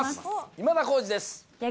今田耕司です。